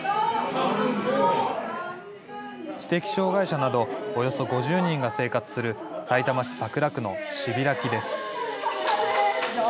知的障害者などおよそ５０人が生活するさいたま市桜区のしびらきです。